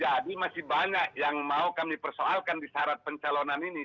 jadi masih banyak yang mau kami persoalkan di syarat pencalonan ini